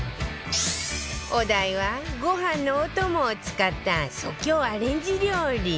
お題はご飯のお供を使った即興アレンジ料理